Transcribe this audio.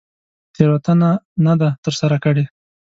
تېروتنه نه ده تر سره کړې.